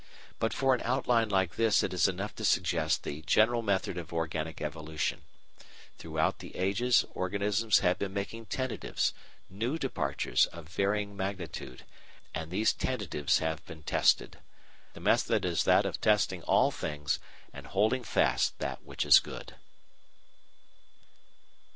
But for an outline like this it is enough to suggest the general method of organic evolution: Throughout the ages organisms have been making tentatives new departures of varying magnitude and these tentatives have been tested. The method is that of testing all things and holding fast that which is good.